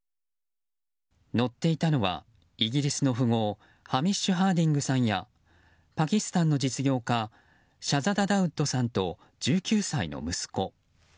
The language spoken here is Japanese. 乗っていたのはイギリスの富豪ハミッシュ・ハーディングさんやパキスタンの実業家シャザダ・ダウッドさんと１９歳の息子。